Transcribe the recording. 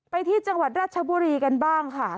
ไปที่จังหวัดราชบุรีกันบ้างค่ะ